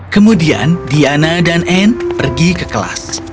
kemudian diana dan anne pergi ke kelas